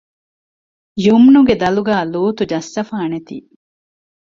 ޔުމްނުގެ ދަލުގައި ލޫޠު ޖައްސަފާނެތީ